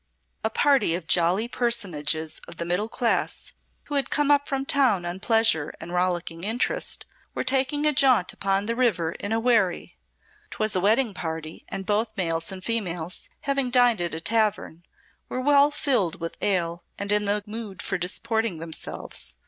A party of jolly personages of the middle class, who had come up from town on pleasure and rollicking interest, were taking a jaunt upon the river in a wherry. 'Twas a wedding party, and both males and females, having dined at a tavern, were well filled with ale and in the mood for disporting themselves.